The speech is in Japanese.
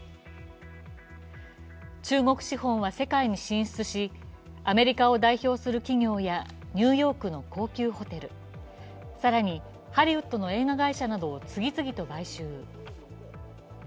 中国資本は世界に進出し、アメリカを代表する企業やニューヨークの高級ホテル、更にハリウッドの映画会社などを次々と買収。